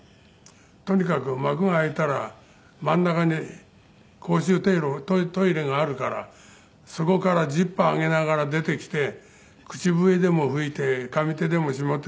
「とにかく幕が開いたら真ん中に公衆トイレがあるからそこからジッパー上げながら出てきて口笛でも吹いて上手でも下手でも去っていけ」